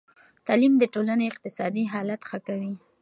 تعلیم د ټولنې اقتصادي حالت ښه کوي.